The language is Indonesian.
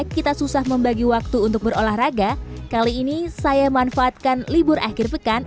kita susah membagi waktu untuk berolahraga kali ini saya manfaatkan libur akhir pekan